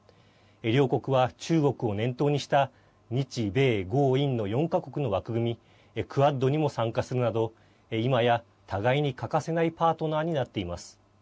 両国は、中国を念頭にした日米豪印の４か国の枠組みクアッドにも参加するなど今や、互いに欠かせないパートナーになっています。